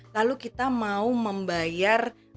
lalu kita mau membayar